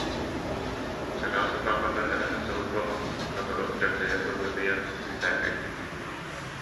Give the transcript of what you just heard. Чараас ырбаахынан эрэ тахсыбыт буоламмын сотору дьагдьайа быһыытыйан үүтээҥҥэ киирдим